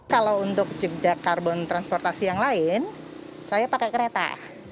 kalau untuk jeda karbon transportasi yang lain saya pakai kereta